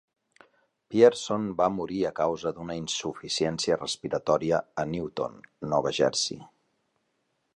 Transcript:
Pierson va morir a causa d'una insuficiència respiratòria a Newton, Nova Jersey.